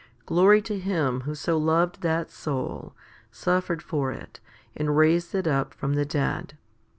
Glory to Him who so loved that soul, suffered for it, and raised it up from the dead.